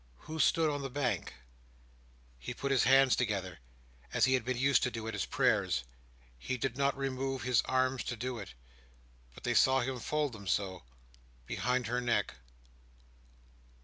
Who stood on the bank?— He put his hands together, as he had been used to do at his prayers. He did not remove his arms to do it; but they saw him fold them so, behind her neck.